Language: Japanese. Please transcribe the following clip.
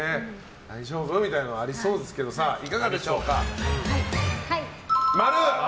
大丈夫？みたいなのはありそうですけどいかがでしょうか。